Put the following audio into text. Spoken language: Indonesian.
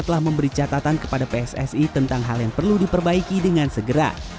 dan juga catatan kepada pssi tentang hal yang perlu diperbaiki dengan segera